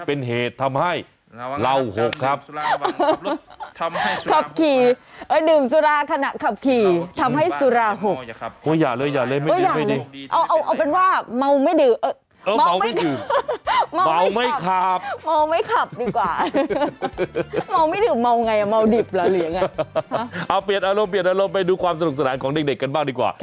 เอาเปลี่ยนอารมณ์ไปดูความสนุกสนานของเด็กกันบ้างดีกว่า